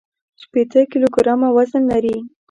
شپېته کيلوګرامه وزن لري.